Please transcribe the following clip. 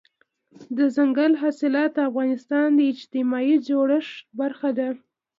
دځنګل حاصلات د افغانستان د اجتماعي جوړښت برخه ده.